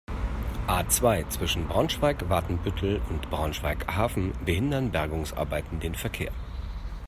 A-zwei, zwischen Braunschweig-Watenbüttel und Braunschweig-Hafen behindern Bergungsarbeiten den Verkehr.